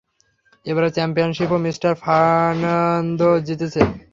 এবারের চ্যাম্পিয়নশিপও mister Fernando জিতেছে!